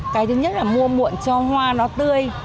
cái thứ nhất là mua muộn cho hoa nó tươi